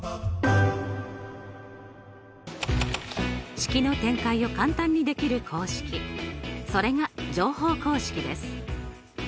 式の展開を簡単にできる公式それが乗法公式です。